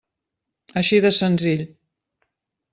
Així de senzill.